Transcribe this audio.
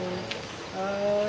はい。